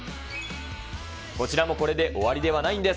こちらもこれで終わりではないんです。